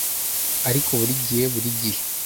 ariko burigihe bur igihe